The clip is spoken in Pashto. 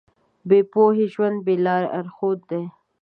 بې پوهې ژوند بې لارښوده دی.